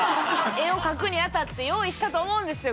絵を描くにあたって用意したと思うんですよ